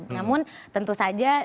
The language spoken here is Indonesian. namun tentu saja